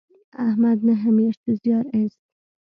احمد نهه میاشتې زیار ایست.